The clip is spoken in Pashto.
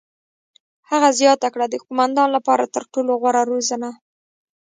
هغې زیاته کړه: "د قوماندان لپاره تر ټولو غوره روزنه.